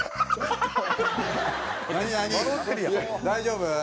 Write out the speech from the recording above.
大丈夫？